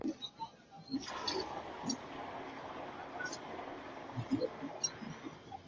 তিনি মালয়েশিয়ায় ICC world cricket league বিভাগের চারটি টুর্নামেন্টে বারমুডার হয়ে তিনটি ম্যাচ খেলেছিলেন।